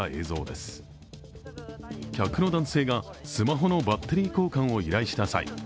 客の男性がスマホのバッテリー交換を依頼した際